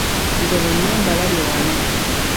Nze bonna mbalabye wano.